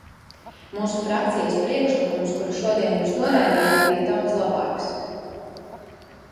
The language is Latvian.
Mūsu frakcijas priekšlikums, kuru šodien jūs noraidījāt, bija daudz labāks.